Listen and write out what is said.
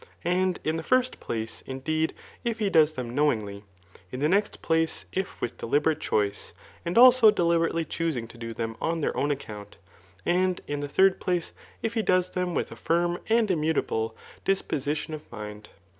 And, in the first place, iacteed, if he does them knowmgly, in the next place, if with deliberate choice, and also deliberately choosing to do them on their own account ; and, in the third place, if he does them widi a firm and immutable Digitized by Google ^ THE ^IQQHiCHEAK *4K)«|fiiir dispoation of mind.